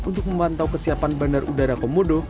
untuk memantau kesiapan bandar udara komodo